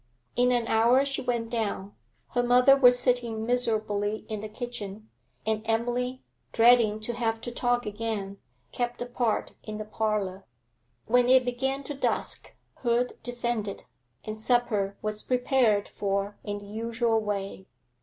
In an hour she went down. Her mother was sitting miserably in the kitchen, and Emily, dreading to have to talk again, kept apart in the parlour. When it began to dusk, Hood descended, and supper was prepared for in the usual way.